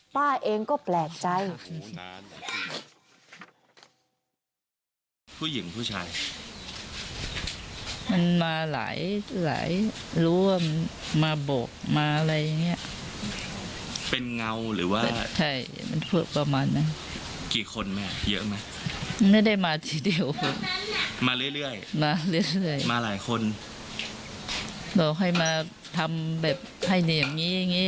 ป้าเองก็แปลกใจ